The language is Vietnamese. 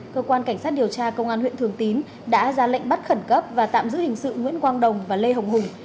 cơ quan cảnh sát điều tra công an huyện thường tín đã ra lệnh bắt khẩn cấp và tạm giữ hình sự nguyễn quang đồng và lê hồng hùng